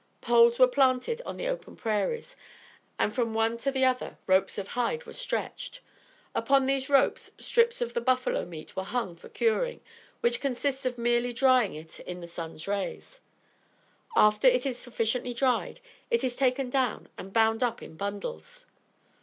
Poles were planted on the open prairies, and from one to the other ropes of hide were stretched. Upon these ropes strips of the buffalo meat were hung for curing, which consists of merely drying it in the sun's rays. After it is sufficiently dried, it is taken down and bound up in bundles.